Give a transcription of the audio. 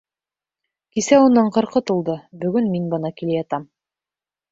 Кисә уның ҡырҡы тулды, бөгөн мин бына килә ятам.